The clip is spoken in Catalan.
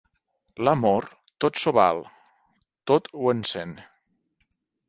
L'amor tot s'ho val, tot ho encén.